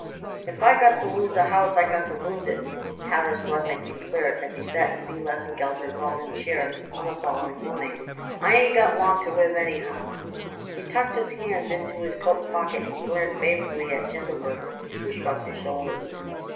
"If I got to lose the house I got to lose it," Harris Rudnik declared as he sat in B. Lesengeld's revolving chair on the following morning. "I ain't got long to live anyhow." He tucked his hands into his coat pocket and glared balefully at Schindelberger, who shrugged his shoulders.